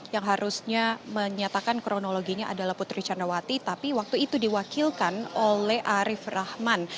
yang harusnya menyatakan kronologinya adalah putri candrawati tapi waktu itu diwakilkan oleh arief rahman